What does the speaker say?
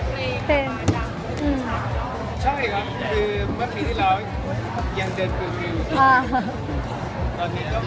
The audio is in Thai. มันก็ไม่คิดว่าจะถึงขนาดนี้ได้